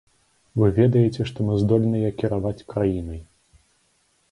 Вы ведаеце, што мы здольныя кіраваць краінай.